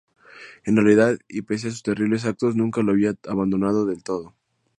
En realidad y pese a sus terribles actos nunca lo había abandonado del todo.